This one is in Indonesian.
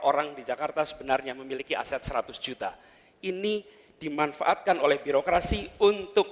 orang di jakarta sebenarnya memiliki aset seratus juta ini dimanfaatkan oleh birokrasi untuk